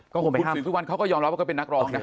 ก็คงไปห้ามคุณศรีทุกวันเขาก็ยอมรับว่าเป็นนักร้อง